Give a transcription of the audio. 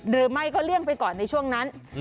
หรือไม่ก็เลี่ยงไปก่อนในช่วงนั้น